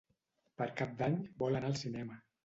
Per Cap d'Any vol anar al cinema.